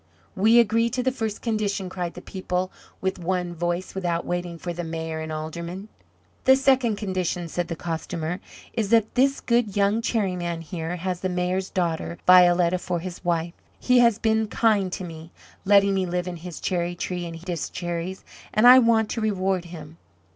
"We agree to the first condition!" cried the people with one voice, without waiting for the Mayor and Aldermen. "The second condition," said the Costumer, "is that this good young Cherry man here has the Mayor's daughter, Violetta, for his wife. He has been kind to me, letting me live in his cherry tree and eat his cherries and I want to reward him."